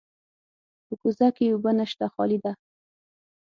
په کوزه کې اوبه نشته، خالي ده.